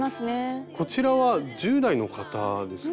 こちらは１０代の方ですね。